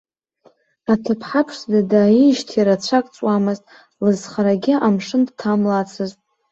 Аҭыԥҳа ԥшӡа дааижьҭеи рацәак ҵуамызт, лызхарагьы амшын дҭамлацызт.